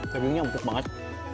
dagingnya empuk banget